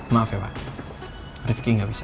maaf ya pak rifqi gak bisa